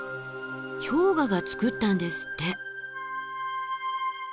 氷河がつくったんですって。